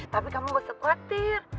tapi kamu gak usah khawatir